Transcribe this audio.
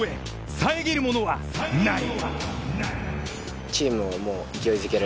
遮るものはない！